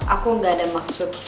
aku gak ada maksud